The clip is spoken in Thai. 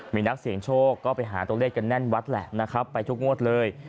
มีนักเสี่ยงโชคก็ไปหาตัวเลขกันแน่นวัดแหละนะครับไปทุกงวดเลย